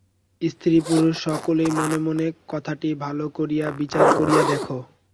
স্ত্রী-পুরুষ সকলেই মনে মনে কথাটি ভাল করিয়া বিচার করিয়া দেখ।